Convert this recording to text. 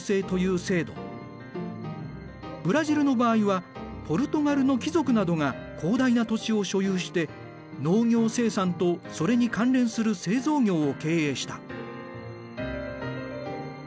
ブラジルの場合はポルトガルの貴族などが広大な土地を所有して農業生産とそれに関連する製造業を経営した。